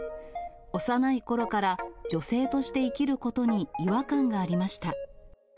幼いころから、女性として生きることに違和感がありました。